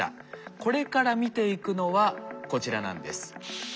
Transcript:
これから見ていくのはこちらなんです。